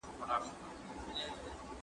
میکروبونه د برس په ویښتانو کې ډلې جوړوي.